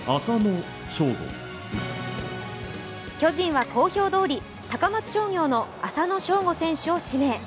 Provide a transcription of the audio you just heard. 巨人は公表どおり高松商業の浅野翔吾選手を指名。